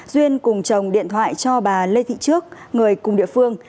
duyên cùng chồng điện thoại cho bà lê thị trước người cùng địa phương